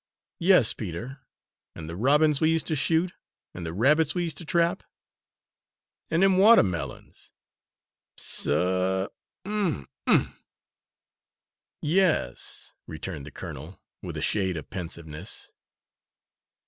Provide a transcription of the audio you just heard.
"Yes, Peter, and the robins we used to shoot and the rabbits we used to trap?" "An' dem watermillions, suh um m m, um m m m!" "Y e s," returned the colonel, with a shade of pensiveness.